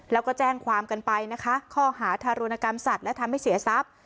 แล้วก็แจ้งความกันไปนะคะข้อหาทารุณกรรมสัตว์และทำให้เสียทรัพย์